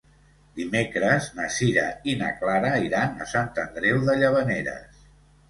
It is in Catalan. Dimecres na Sira i na Clara iran a Sant Andreu de Llavaneres.